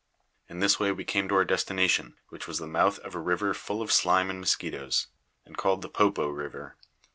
In this way we came to our destination, which was the mouth of a river full of slime and mosquitoes, and called the Popo River.